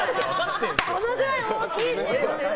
そのぐらい大きいんですよ。